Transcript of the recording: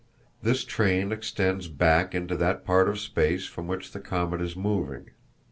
This train extends back into that part of space from which the comet is moving.